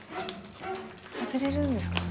外れるんですか？